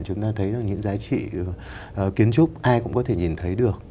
chúng ta thấy rằng những giá trị kiến trúc ai cũng có thể nhìn thấy được